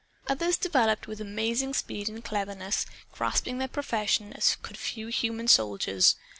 Others developed with amazing speed and cleverness, grasping their profession as could few human soldiers.